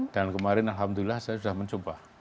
dan kemarin alhamdulillah saya sudah mencoba